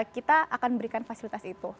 kita akan memberikan fasilitas itu